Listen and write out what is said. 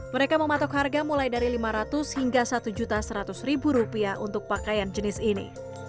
mereka mematok harga mulai dari lima ratus hingga rp satu seratus rupiah untuk pakaian jenis ini